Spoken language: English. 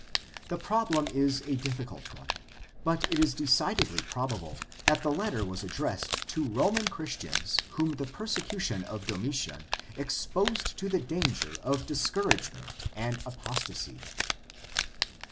The problem is a difficult one, but it is decidedly probable that the letter was addressed to Roman Christians whom the persecution of Domitian exposed to the danger of discouragement and apostasy.